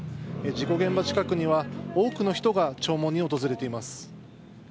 事故現場近くには多くの人が弔問に訪れています。